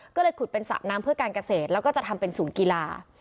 ก็เลยขุดเป็นสระน้ำเพื่อการเกษตรแล้วก็จะทำเป็นศูนย์กีฬา